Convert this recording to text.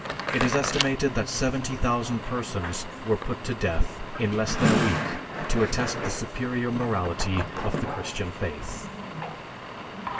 It is estimated that 70,000 persons were put to death in less than a week to attest the superior morality of the Christian faith.